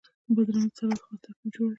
بادرنګ د سلاتو خاص ترکیب جوړوي.